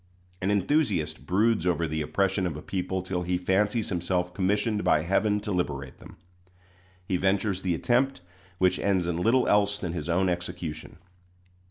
An enthusiast broods over the oppression of a people till he fancies himself commissioned by Heaven to liberate them. He ventures the attempt, which ends in little else than his own execution.